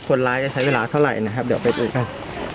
คนร้ายจะใช้เวลาเท่าไหร่นะครับเดี๋ยวไปดูกัน